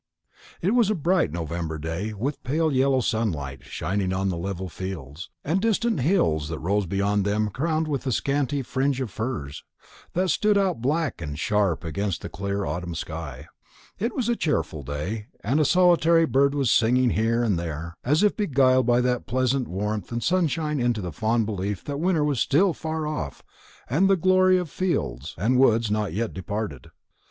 It was a bright November day, with a pale yellow sunlight shining on the level fields, and distant hills that rose beyond them crowned with a scanty fringe of firs, that stood out black and sharp against the clear autumn sky. It was a cheerful day, and a solitary bird was singing here and there, as if beguiled by that pleasant warmth and sunshine into the fond belief that winter was still far off and the glory of fields and woods not yet departed.